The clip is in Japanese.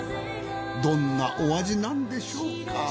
どんなお味なんでしょうか？